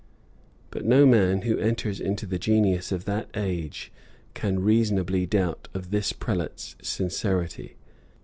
But no man, who enters into the genius of that age, can reasonably doubt of this prelate's sincerity.